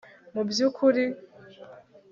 mubyukuri